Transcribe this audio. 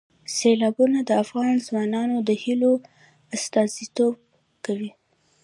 سیلابونه د افغان ځوانانو د هیلو استازیتوب کوي.